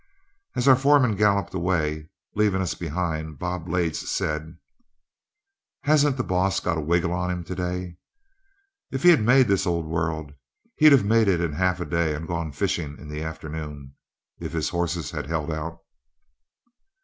As our foreman galloped away, leaving us behind, Bob Blades said, "Hasn't the boss got a wiggle on himself today! If he'd made this old world, he'd have made it in half a day, and gone fishing in the afternoon if his horses had held out."